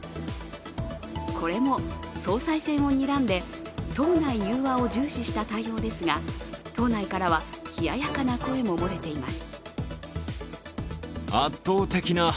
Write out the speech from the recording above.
これも総裁選をにらんで党内融和を重視した対応ですが、党内からは冷ややかな声も漏れています。